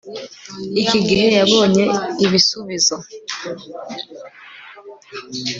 Iki gihe yabonye ibisubizo